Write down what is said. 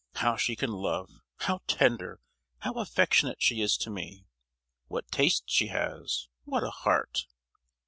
how she can love; how tender, how affectionate she is to me! what taste she has, what a heart!"